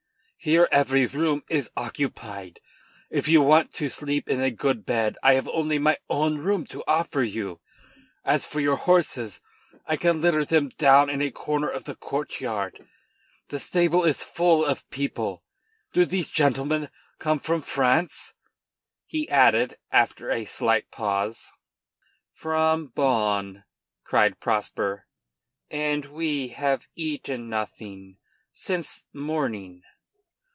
Here every room is occupied. If you want to sleep in a good bed I have only my own room to offer you. As for your horses I can litter them down in a corner of the courtyard. The stable is full of people. Do these gentlemen come from France?" he added after a slight pause. "From Bonn," cried Prosper, "and we have eaten nothing since morning."